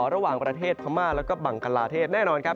ระหว่างประเทศพม่าแล้วก็บังกลาเทศแน่นอนครับ